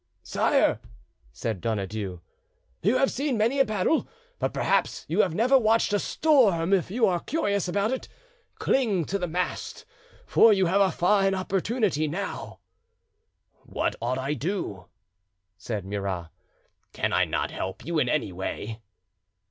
"Sire," said Donadieu, "you have seen many a battle, but perhaps you have never watched a storm if you are curious about it, cling to the mast, for you have a fine opportunity now." "What ought I to do?" said Murat. "Can I not help you in any way?"